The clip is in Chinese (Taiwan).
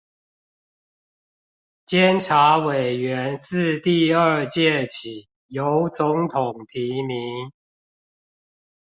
監察委員自第二屆起由總統提名